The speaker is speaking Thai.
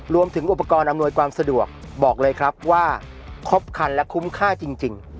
รวมถึงอุปกรณ์อำนวยความสะดวกบอกเลยครับว่าครบคันและคุ้มค่าจริง